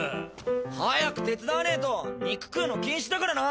早く手伝わねと肉食うの禁止だからな！